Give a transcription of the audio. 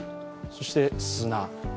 そして砂。